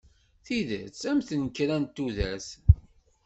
Tidet am tenkerra n tudert.